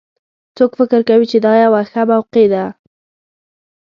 څوک فکر کوي چې دا یوه ښه موقع ده